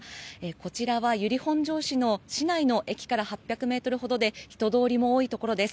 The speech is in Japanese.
こちらは由利本荘市の市内の駅から８００ｍほどのところで人通りも多いところです。